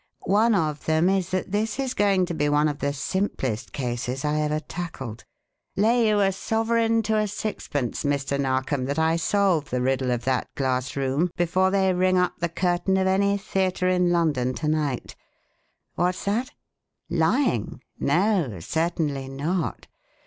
One of them is that this is going to be one of the simplest cases I ever tackled. Lay you a sovereign to a sixpence, Mr. Narkom, that I solve the riddle of that glass room before they ring up the curtain of any theatre in London to night. What's that? Lying? No, certainly not.